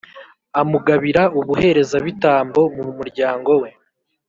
amugabira ubuherezabitambo mu muryango we.